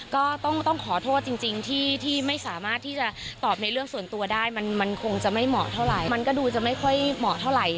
ก็ต้องขอโทษจริงที่ไม่สามารถที่จะตอบในเรื่องส่วนตัวได้มันคงจะไม่เหมาะเท่าไหร่มันก็ดูจะไม่ค่อยเหมาะเท่าไหร่